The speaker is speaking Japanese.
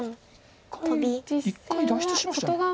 一回脱出しました。